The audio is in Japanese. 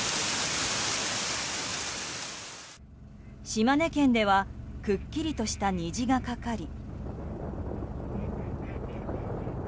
島根県ではくっきりとした虹がかかり。